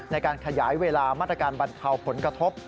ในการขยายเวลามาตรการบรรเทาผลกระทบ